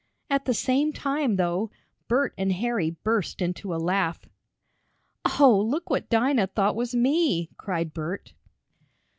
At the same time, though, Bert and Harry burst into a laugh. "Oh, look what Dinah thought was me!" cried Bert.